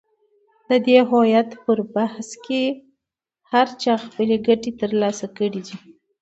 د دې هویت پر بحث کې هر چا خپلې ګټې تر لاسه کړې دي.